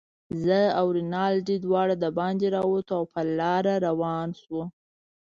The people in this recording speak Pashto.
زه او رینالډي دواړه دباندې راووتو، او په لاره روان شوو.